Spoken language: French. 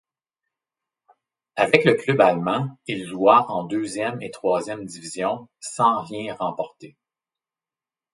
Avec le club allemand, il joua en deuxième et troisième division, sans rien remporter.